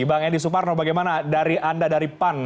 bang edi suparno bagaimana dari anda dari pan